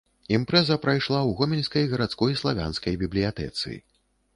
Імпрэза прайшла ў гомельскай гарадской славянскай бібліятэцы.